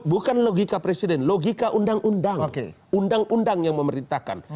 bukan logika presiden logika undang undang undang yang memerintahkan